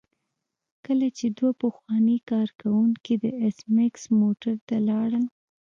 کله چې دوه پخواني کارکوونکي د ایس میکس موټر ته لاړل